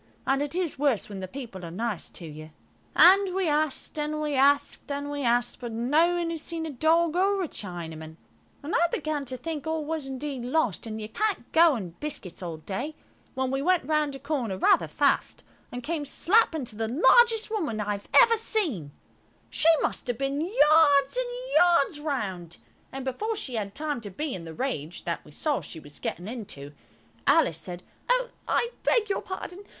And it is worse when the people are nice to you. WE WENT ROUND A CORNER RATHER FAST, AND CAME SLAP INTO THE LARGEST WOMAN I HAVE EVER SEEN. And we asked and asked and asked, but nobody had seen a dog or a Chinaman, and I began to think all was indeed lost, and you can't go on biscuits all day, when we went round a corner rather fast, and came slap into the largest woman I have ever seen. She must have been yards and yards round, and before she had time to be in the rage that we saw she was getting into, Alice said– "Oh, I beg your pardon!